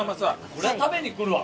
これは食べに来るわ！